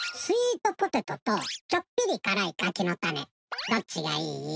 スイートポテトとちょっぴり辛いかきのたねどっちがいい？